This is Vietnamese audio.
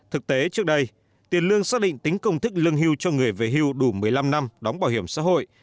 thực tế trước đây tiền lương xác định tính công thức lương hưu cho người về hưu đủ một mươi năm năm đóng bảo hiểm xã hội